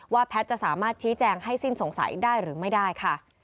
แพทย์จะสามารถชี้แจงให้สิ้นสงสัยได้หรือไม่ได้ค่ะ